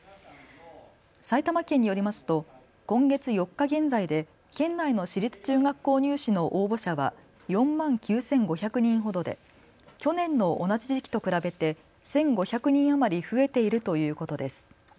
埼玉県によりますと今月４日現在で県内の私立中学校入試の応募者は４万９５００人ほどで去年の同じ時期と比べて１５００人余り増えているということです。